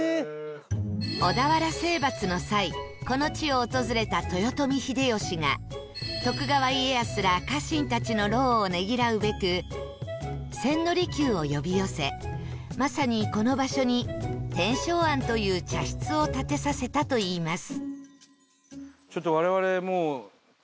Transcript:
小田原征伐の際この地を訪れた豊臣秀吉が徳川家康ら家臣たちの労をねぎらうべく千利休を呼び寄せまさにこの場所に天正庵という茶室を建てさせたといいます